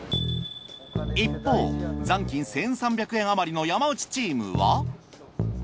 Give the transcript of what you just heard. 一方残金１，３００円あまりの山内チームは。